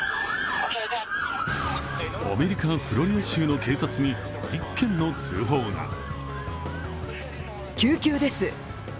アメリカ・フロリダ州の警察に１件の通報が。